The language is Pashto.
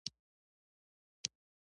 بوټونه د عکسونو ښکلا زیاتوي.